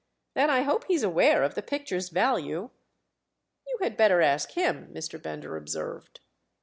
Then I hope he's aware of the picture's value." "You had better ask him," Mr. Bender observed.